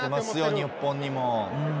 日本にも。